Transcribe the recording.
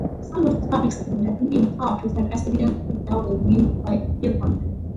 Some of his public statements have been interpreted as evidence of a Darwinian viewpoint.